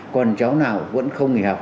còn cháu nào vẫn không nghỉ học